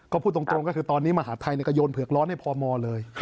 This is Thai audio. ก็พูดตรงก็คือตอนนี้มหาดไทยก็โยนเผือกร้อนให้พมเลย